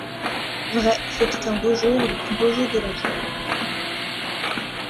Vrai, c'était un beau jour, le plus beau jour de la vie.